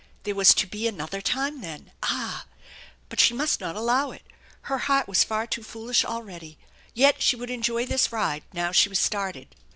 There was to be another time, then ! Ah ! But she must not allow it. Her heart was far too foolish already. Yet she would enjoy this ride, now she was started.